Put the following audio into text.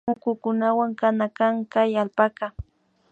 Mukunkunawan kana kan kay allpaka